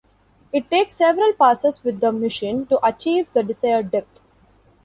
It takes several passes with the machine to achieve the desired depth.